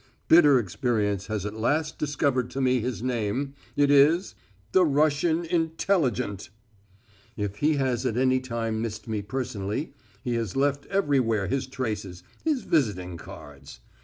Bitter experience has at last discovered to me his name. It is the Russian intelligent. If he has at any time missed me personally, he has left everywhere his traces, his visiting cards.